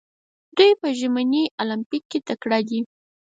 دوی په ژمني المپیک کې تکړه دي.